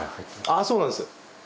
あそうなんです。